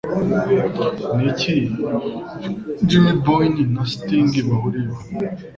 Ni iki Jim Bowen na Sting bahuriyeho?